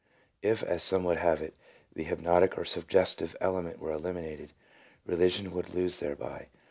If, as some would have it, the hypnotic or suggestive element were eliminated, religion would lose thereby.